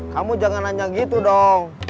kamu jangan hanya gitu dong